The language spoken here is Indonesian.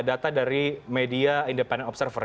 data dari media independent observer